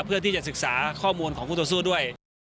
เพื่อที่จะศึกษาข้อมูลของคู่ต่อสู้ด้วย